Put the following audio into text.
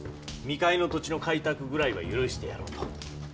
「未開の土地の開拓ぐらいは許してやろう」と。